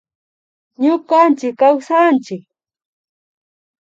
Ñukanchik kawsanchik